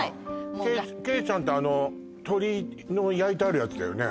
ケイちゃんってあの鶏の焼いてあるやつだよね？